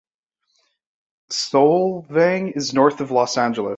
Solvang is north of Los Angeles.